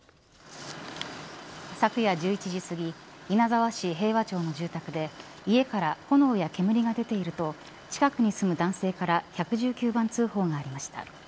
昨夜１１時すぎ稲沢市平和町の住宅で家から炎や煙が出ていると近くに住む男性から１１９番通報がありました。